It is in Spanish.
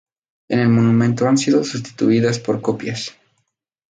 En el monumento han sido sustituidas por copias.